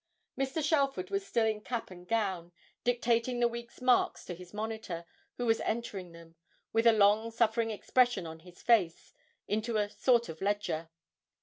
Mr. Shelford was still in cap and gown, dictating the week's marks to his monitor, who was entering them, with a long suffering expression on his face, into a sort of ledger.